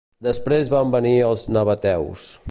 Després van venir els nabateus.